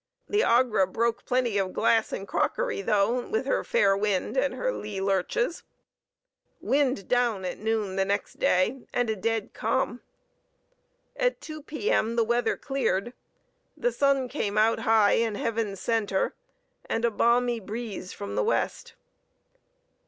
The Agra broke plenty of glass and crockery though with her fair wind and her lee lurches. Wind down at noon next day, and a dead calm. At two P.M. the weather cleared; the sun came out high in heaven's centre; and a balmy breeze from the west.